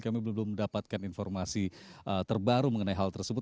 kami belum mendapatkan informasi terbaru mengenai hal tersebut